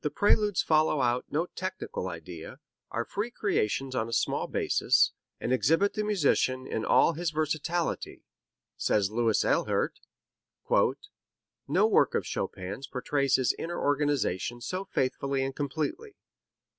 "The Preludes follow out no technical idea, are free creations on a small basis, and exhibit the musician in all his versatility," says Louis Ehlert. "No work of Chopin's portrays his inner organization so faithfully and completely.